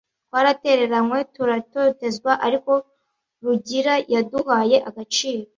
twaratereranywe turatotezwa ariko rugira yaduhaye agaciro